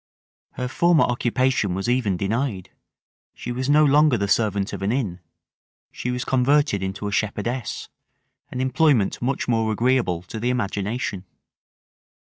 Her former occupation was even denied: she was no longer the servant of an inn. She was converted into a shepherdess, an employment much more agreeable to the imagination.